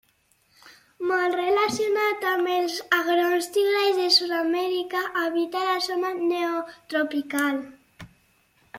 Molt relacionat amb els agrons tigrats de Sud-amèrica, habita la zona neotropical.